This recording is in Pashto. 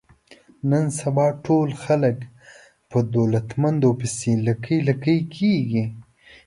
نن سبا ټول خلک په دولتمندو پسې لکۍ لکۍ کېږي.